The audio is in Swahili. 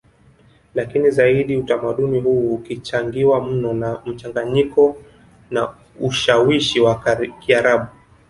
Lakini zaidi utamaduni huu ukichangiwa mno na mchanganyiko na ushawishi wa Kiarabu